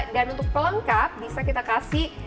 dan untuk pelengkap bisa kita kasih